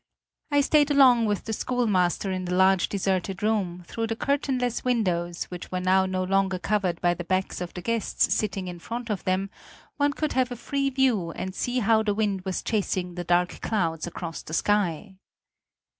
I stayed alone with the schoolmaster in the large deserted room; through the curtainless windows, which were now no longer covered by the backs of the guests sitting in front of them, one could have a free view and see how the wind was chasing the dark clouds across the sky.